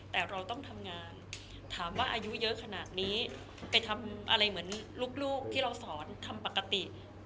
แต่เราต้องทำงานถามว่าอายุเยอะขนาดนี้ไปทำอะไรเหมือนลูกที่เราสอนทำปกติ